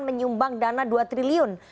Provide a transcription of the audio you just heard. menyumbang dana dua triliun